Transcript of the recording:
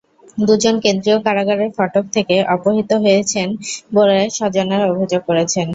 দুজন কেন্দ্রীয় কারাগারের ফটক থেকে অপহূত হয়েছেন বরে স্বজনেরা অভিযোগ করেছেন।